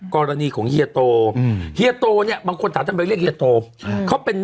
กรณีของเฮียโต